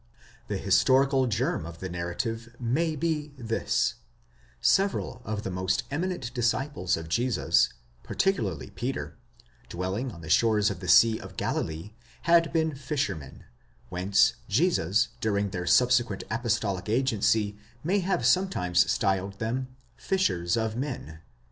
The historical germ of the narrative may be this: several of the most eminent disciples of Jesus, particu larly Peter, dwelling on the shores of the sea of Galilee, had been fishermen, whence Jesus during their subsequent apostolic agency may have sometimes styled them fishers of men.